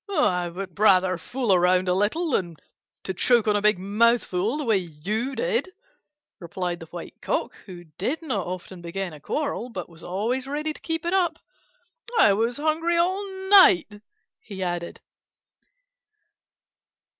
"I would rather fool around a little than to choke on a big mouthful, the way you did," replied the White Cock, who did not often begin a quarrel, but was always ready to keep it up. "I was hungry all night," he added.